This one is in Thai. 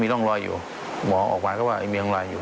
มออกมาก็ว่ามีร่องรอยอยู่